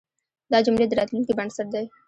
دا جملې د راتلونکي بنسټ دی.